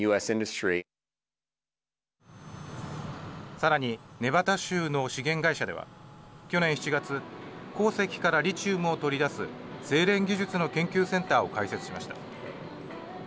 さらにネバダ州の資源会社では去年７月鉱石からリチウムを取り出す精錬技術の研究センターを開設しました。